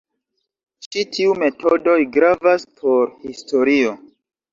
Ĉi tiu metodoj gravas por historio.